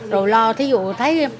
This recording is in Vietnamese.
rồi lo thí dụ thấy